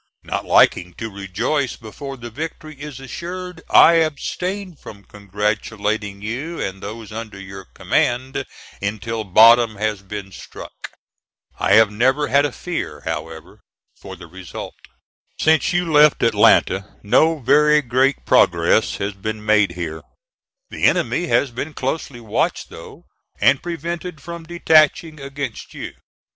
Not liking to rejoice before the victory is assured, I abstain from congratulating you and those under your command, until bottom has been struck. I have never had a fear, however, for the result. Since you left Atlanta, no very great progress has been made here. The enemy has been closely watched though, and prevented from detaching against you.